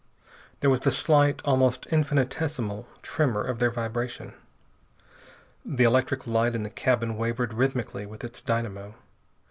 There was the slight, almost infinitesimal tremor of their vibration. The electric light in the cabin wavered rhythmically with its dynamo.